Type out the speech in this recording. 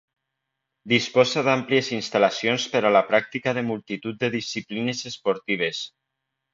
Disposa d'àmplies instal·lacions per a la pràctica de multitud de disciplines esportives.